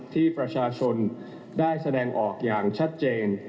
ที่ประชาชนได้แสดงออกอย่างชัดเจน